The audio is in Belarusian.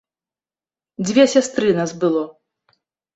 Дзве сястры нас было.